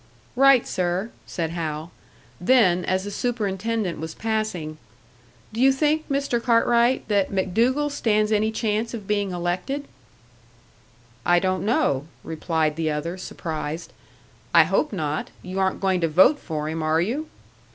"Right, sir," said Hal. Then, as the superintendent was passing, "Do you think, Mr. Cartwright, that MacDougall stands any chance of being elected?" "I don't know," replied the other, surprised. "I hope not. You aren't going to vote for him, are you?"